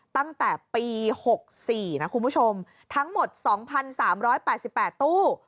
ตั้งแต่ปี๖๔นะคุณผู้ชมทั้งหมด๒๓๘๘ตู้